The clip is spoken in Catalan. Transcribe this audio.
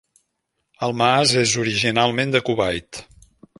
Almaas és originalment de Kuwait.